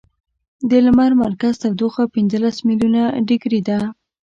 د لمر مرکز تودوخه پنځلس ملیونه ډګري ده.